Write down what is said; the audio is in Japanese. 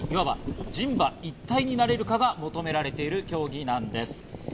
いかに、いわば人馬一体になれるかが求められている競技です。